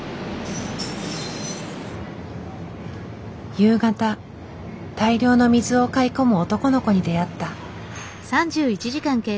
夕方大量の水を買い込む男の子に出会った。